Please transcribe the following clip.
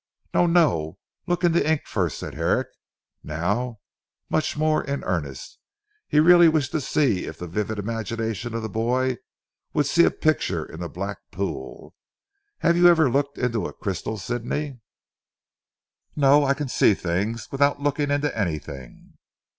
"No! No! Look in the ink first," said Herrick, now much more in earnest. He really wished to see if the vivid imagination of the boy would see a picture in the black pool. "Have you ever looked into a crystal Sidney." "No, I can see things without looking into anything."